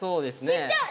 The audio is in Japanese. ちっちゃい！